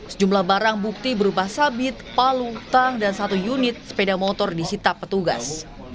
sejumlah barang bukti berupa sabit palu tang dan satu unit sepeda motor disita petugas